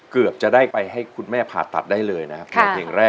กลับจะได้ไปให้คุณแม่ผ่าตัดได้เลยนะ